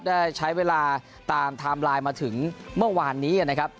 ได้ใช้เวลาตามไทม์ไลน์มาถึงเมื่อวานนี้นะครับ